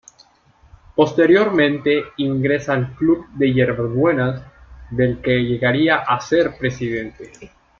Posteriormente ingresa al Club de Yerbas Buenas, del que llegaría a ser Presidente.